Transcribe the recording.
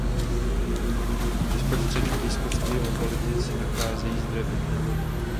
V bezprostřední blízkosti lokality se nacházejí zdroje pitné vody.